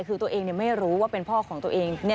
คือตัวเองไม่รู้ว่าเป็นพ่อของตัวเอง